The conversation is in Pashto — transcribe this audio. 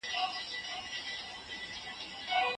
هغه دين چي سوله راوړي د ټولو له پاره غوره دی.